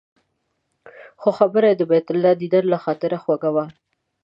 خو خبره یې د بیت الله دیدن له خاطره خوږه وه.